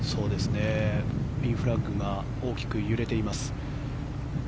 ピンフラッグが大きく揺れています。